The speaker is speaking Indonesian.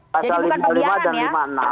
pasal lima puluh lima dan lima puluh enam